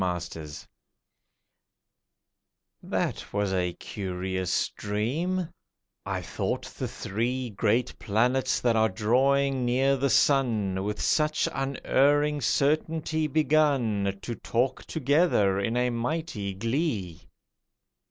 A DREAM That was a curious dream; I thought the three Great planets that are drawing near the sun With such unerring certainty begun To talk together in a mighty glee.